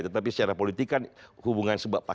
tetapi secara politik kan hubungan sebab sebab itu